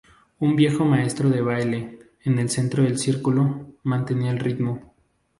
Un viejo maestro de baile, en el centro del círculo, mantenía el ritmo.